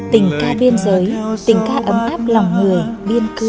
tình ca biên giới tình ca ấm áp lòng người biên cư